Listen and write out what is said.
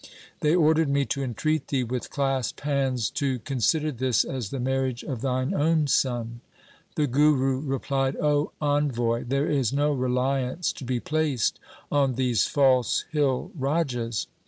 They ordered me to entreat thee with clasped hands to consider this as the marriage of thine own son.' The Guru replied, ' O envoy, there is no reliance to 26 THE SIKH RELIGION be placed on these false hill rajas.